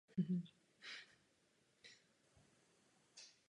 Jeho otcem byl koncertní mistr a skladatel Karl Hermann Heinrich Benda.